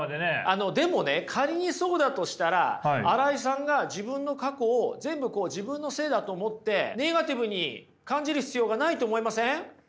でもね仮にそうだとしたら新井さんが自分の過去を全部自分のせいだと思ってネガティブに感じる必要がないと思いません？